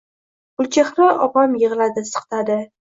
Gulchehra opam yig`ladi, siqtadi